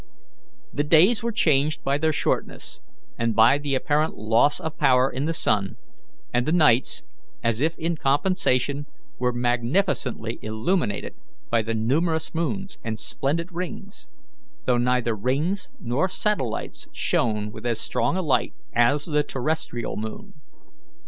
The days were changed by their shortness, and by the apparent loss of power in the sun; and the nights, as if in compensation, were magnificently illuminated by the numerous moons and splendid rings, though neither rings nor satellites shone with as strong a light as the terrestrial moon.